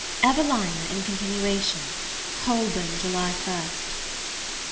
EVELINA IN CONTINUATION. Holborn, July 1st.